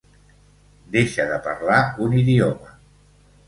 Deixa de parlar un idioma.